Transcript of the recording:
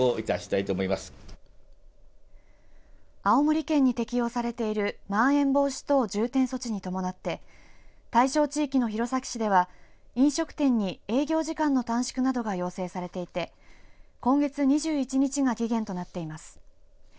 青森県に適用されているまん延防止等重点措置に伴って対象地域の弘前市では飲食店に営業時間の短縮などが要請されていて今月２１日が期限となっています。